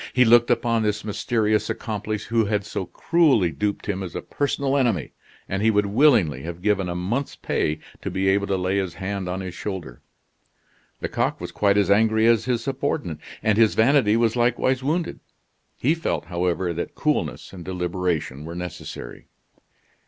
He looked upon this mysterious accomplice who had so cruelly duped him as a personal enemy, and he would willingly have given a month's pay to be able to lay his hand on his shoulder. Lecoq was quite as angry as his subordinate, and his vanity was likewise wounded; he felt, however, that coolness and deliberation were necessary.